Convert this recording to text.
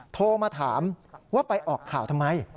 โทรมาถามว่าไปออกข่าวทำไม